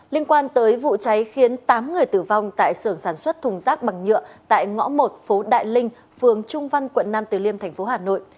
liên quan tới vụ cháy khiến tám người tử vong tại sưởng sản xuất thùng rác bằng nhựa tại ngõ một phố đại linh phường trung văn quận nam từ liêm thành phố hà nội